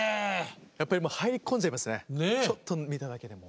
やっぱりもう入り込んじゃいますねちょっと見ただけでも。